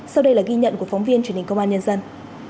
sau đây là ghi nhận của phóng viên truyền hình công an nhân dân